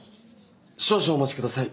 少々お待ちください。